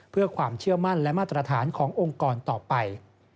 เพื่อความเชื่อมั่นและมาตรฐานขององค์กรต่อไป